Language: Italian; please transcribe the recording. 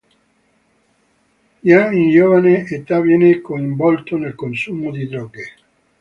Già in giovane età viene coinvolto nel consumo di droghe.